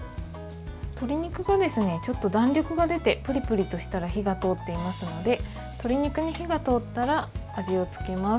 鶏肉がちょっと弾力が出てプリプリとしたら火が通っていますので鶏肉に火が通ったら味をつけます。